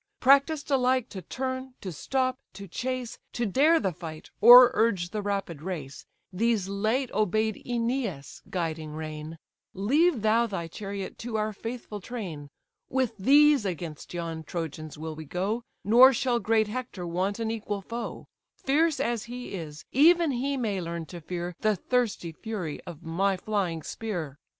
Practised alike to turn, to stop, to chase, To dare the fight, or urge the rapid race: These late obey'd Æneas' guiding rein; Leave thou thy chariot to our faithful train; With these against yon Trojans will we go, Nor shall great Hector want an equal foe; Fierce as he is, even he may learn to fear The thirsty fury of my flying spear."